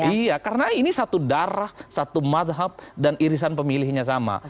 iya karena ini satu darah satu madhab dan irisan pemilihnya sama